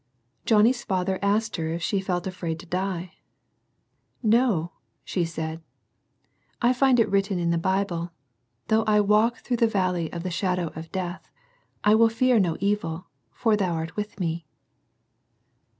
Johnny's father asked her if she felt afraid to die. —" No I " she said, " I find it written in the Bible, * Though I walk through the valley of the shadow of death I will fear no evil, for Thou art with me.'